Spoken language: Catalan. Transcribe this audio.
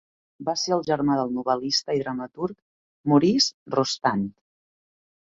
Va ser el germà del novel·lista i dramaturg Maurice Rostand.